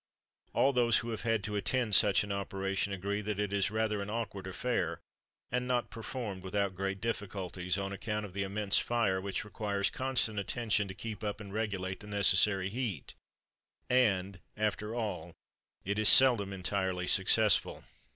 All those who have had to attend such an operation agree that it is rather an awkward affair, and not performed without great difficulties, on account of the immense fire, which requires constant attention to keep up and regulate the necessary heat, and, after all, it is seldom entirely successful.